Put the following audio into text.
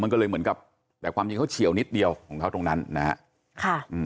มันก็เลยเหมือนกับแต่ความจริงเขาเฉียวนิดเดียวของเขาตรงนั้นนะฮะค่ะอืม